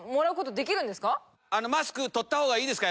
マスク取ったほうがいいですか？